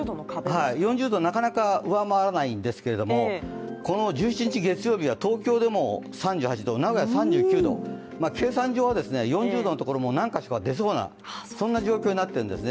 ４０度、なかなか上回らないんですけどこの１７日月曜日は東京でも３８度名古屋３９度、計算上は４０度のところも何か所か出そうなそんな状況になってるんです。